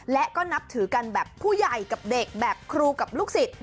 และก็นับถือกันแบบผู้ใหญ่กับเด็กแบบครูกับลูกศิษย